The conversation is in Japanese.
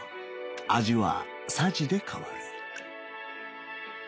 味はさじで変わる